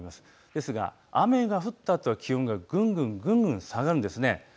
ですが雨が降ったあとは気温がぐんぐん下がるんです。